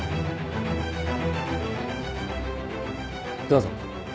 どうぞ。